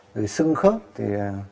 rồi sưng khớp thì